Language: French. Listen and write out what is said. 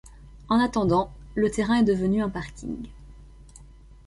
En attendant, le terrain est devenu un parking.